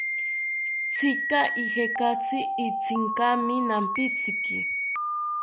¿Tzika ijekaki itzinkami nampitziki?